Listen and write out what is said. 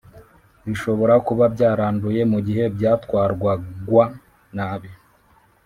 bishobora kuba byaranduye mugihe byatwarwagwa nabi